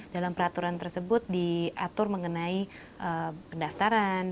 dalam peraturan tersebut diatur mengenai pendaftaran